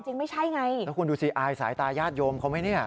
จริงไม่ใช่ไงแล้วคุณดูสิอายสายตาญาติโยมเขาไหมเนี่ย